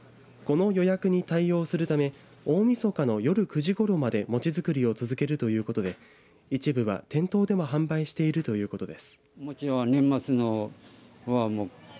この予約に対応するため大みそかの夜９時ごろまで餅作りを続けるということで一部は店頭でも販売しているということです。